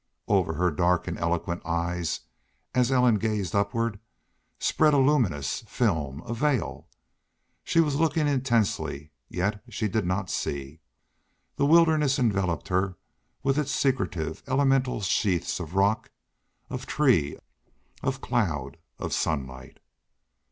Over her dark and eloquent eyes, as Ellen gazed upward, spread a luminous film, a veil. She was looking intensely, yet she did not see. The wilderness enveloped her with its secretive, elemental sheaths of rock, of tree, of cloud, of sunlight.